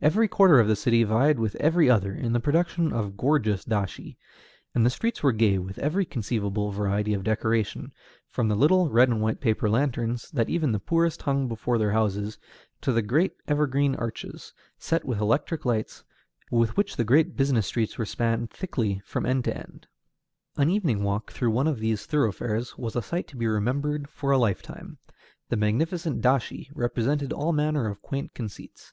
Every quarter of the city vied with every other in the production of gorgeous dashi, and the streets were gay with every conceivable variety of decoration, from the little red and white paper lanterns, that even the poorest hung before their houses, to the great evergreen arches, set with electric lights, with which the great business streets were spanned thickly from end to end. An evening walk through one of these thoroughfares was a sight to be remembered for a lifetime. The magnificent dashi represented all manner of quaint conceits.